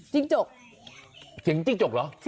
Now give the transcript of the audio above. ปราหมอปรา